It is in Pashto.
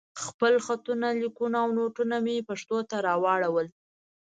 خپل خطونه، ليکونه او نوټونه مې پښتو ته راواړول.